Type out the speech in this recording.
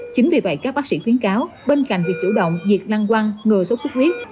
chính vì vậy các bác sĩ khuyến cáo bên cạnh việc chủ động diệt năng quăng ngừa sốt xuất huyết